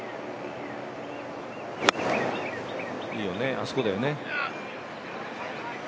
いいよね、あそこだよね。